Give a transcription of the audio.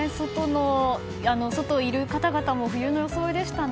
外にいる方々も冬の装いでしたね。